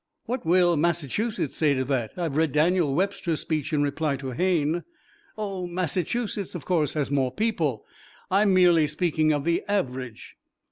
"What will Massachusetts say to that? I've read Daniel Webster's speech in reply to Hayne." "Oh, Massachusetts, of course, has more people, I'm merely speaking of the average."